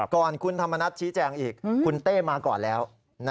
ก่อนคุณธรรมนัฐชี้แจงอีกคุณเต้มาก่อนแล้ว